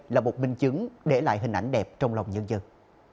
là một minh chứng để lại hình ảnh đẹp trong lòng nhân dân